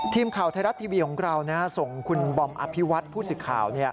ทีมข่าวไทยรัฐทีวีของเราส่งคุณบอมอภิวัตผู้สิทธิ์ข่าว